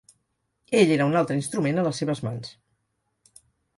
Ell era un altre instrument a les seves mans.